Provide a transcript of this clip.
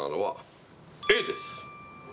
Ａです